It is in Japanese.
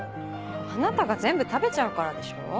あなたが全部食べちゃうからでしょ？